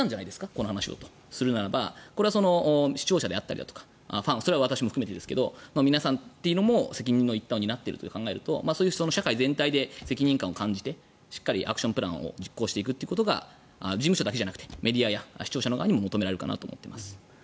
この話をというのであればそれは視聴者であったりファンであったりそれは私も含めてですが皆さんというのも責任の一端を担っていると考えると社会全体で責任を感じてしっかりアクションプランを実行していくことが事務所だけじゃなくてメディアや視聴者の側にも求められると思います。